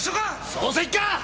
捜査一課！